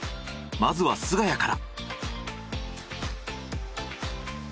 まずは菅谷から。